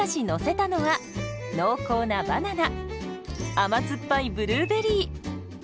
甘酸っぱいブルーベリー。